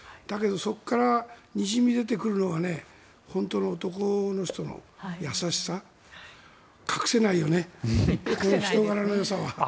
だけどそこからにじみ出てくるのが本当の男の人の優しさ隠せないよね、人柄のよさは。